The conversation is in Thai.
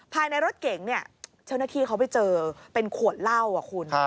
ภายในรถเก๋งเนี่ยเจ้าหน้าที่เขาไปเจอเป็นขวดเหล้าอ่ะคุณ